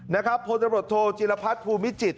นะครับพทจิลพัทภูมิจิต